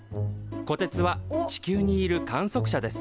こてつは地球にいる観測者です。